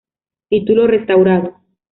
Título Restaurado.